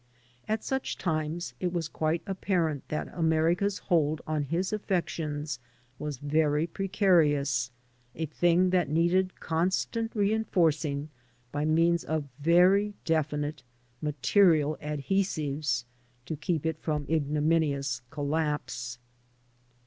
At such times it was quite apparent that America's hold on his affections was very precarious — a thing that needed constant reinforcing by means of very definite, material adhesiyes to keep it from ignominious collapse.